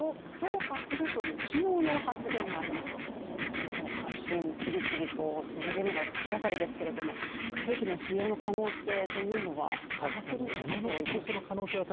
この発信、次々と続いているのが気がかりですけど核兵器の使用の可能性というのは上がっているんでしょうか、その脅威は。